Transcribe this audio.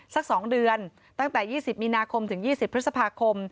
สัก๒เดือนตั้งแต่๒๐มีนาคมถึง๒๐พฤษภาคม